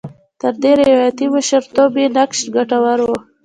تر دې روایاتي مشرتوب یې نقش ګټور و.